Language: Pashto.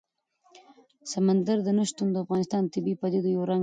سمندر نه شتون د افغانستان د طبیعي پدیدو یو رنګ دی.